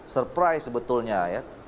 surprise sebetulnya ya